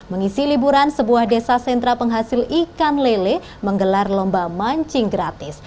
mengisi liburan sebuah desa sentra penghasil ikan lele menggelar lomba mancing gratis